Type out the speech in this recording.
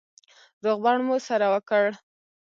روغبړ مو سره وکړ.